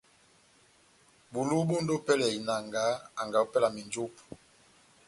Bulu bɔndi ópɛlɛ ya inanga anga ópɛlɛ ya menjopo.